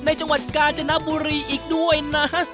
จังหวัดกาญจนบุรีอีกด้วยนะ